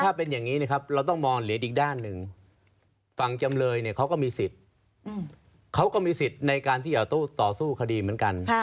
ถ้าเป็นอย่างนี้นะครับเราต้องมองเหรียญอีกด้านหนึ่งฝั่งจำเลยเนี่ยเขาก็มีสิทธิ์เขาก็มีสิทธิ์ในการที่จะต้องต่อสู้คดีเหมือนกัน